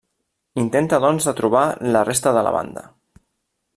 Intenta doncs de trobar la resta de la banda.